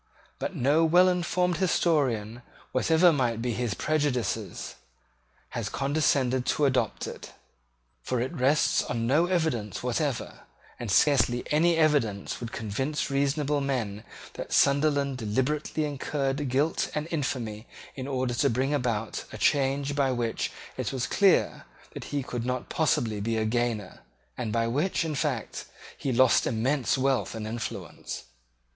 But no well informed historian, whatever might be his prejudices, has condescended to adopt it: for it rests on no evidence whatever; and scarcely any evidence would convince reasonable men that Sunderland deliberately incurred guilt and infamy in order to bring about a change by which it was clear that he could not possibly be a gainer, and by which, in fact, he lost immense wealth and influence.